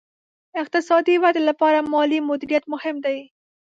اقتصادي ودې لپاره مالي مدیریت مهم دی.